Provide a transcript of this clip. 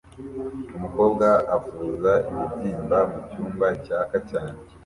Umukobwa avuza ibibyimba mucyumba cyaka cyane